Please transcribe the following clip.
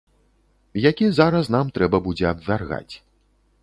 Які зараз нам трэба будзе абвяргаць.